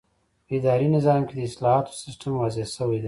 په اداري نظام کې د اصلاحاتو سیسټم واضح شوی دی.